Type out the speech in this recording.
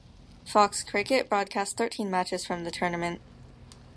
Fox Cricket broadcast thirteen matches from the tournament.